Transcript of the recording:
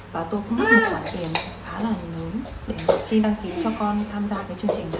và tôi cũng mất một khoản tiền khá là lớn để khi đăng ký cho con tham gia cái chương trình